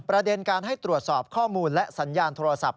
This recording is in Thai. ประเด็นการให้ตรวจสอบข้อมูลและสัญญาณโทรศัพท์